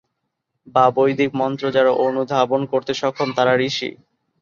বা "বৈদিক মন্ত্র যারা অনুধাবন করতে সক্ষম তারা ঋষি"।